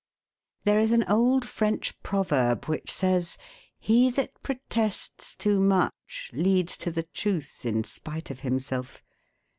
There is an old French proverb which says: "He that protests too much leads to the truth in spite of himself."